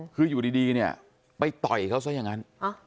คืออยู่ดีเนี่ยไปต่อยเขาซะอย่างนั้น